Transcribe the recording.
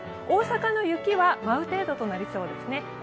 大阪の雪は舞う程度となりそうですね。